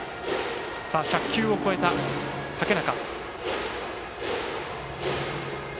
１００球を超えた竹中。